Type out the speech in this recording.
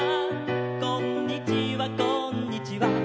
「こんにちはこんにちは」